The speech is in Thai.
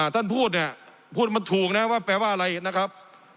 ท่านพูดพูดมาถูกแปลว่าอะไรนะครับ